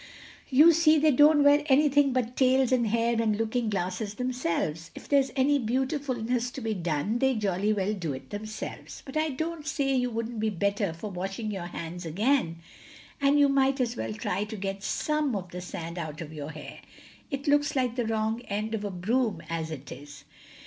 You see, they don't wear anything but tails and hair and looking glasses themselves. If there's any beautifulness to be done they jolly well do it themselves. But I don't say you wouldn't be better for washing your hands again, and you might as well try to get some of the sand out of your hair. It looks like the wrong end of a broom as it is."